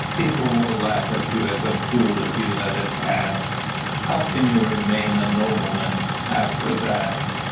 People will laugh at you as at a fool if you let it pass. How can you remain a nobleman after that?